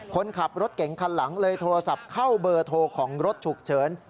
คนขับรถเก่งคันหลังเลยโทรศัพท์เข้าเบอร์โทรของรถฉุกเฉิน